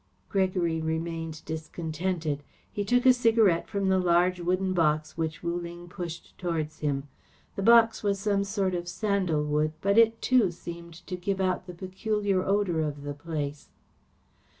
Gregory remained discontented. He took a cigarette from the large wooden box which Wu Ling pushed towards him. The box was of some sort of sandalwood, but it, too, seemed to give out the peculiar odour of the place.